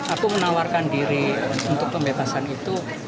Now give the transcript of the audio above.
aku menawarkan diri untuk pembebasan itu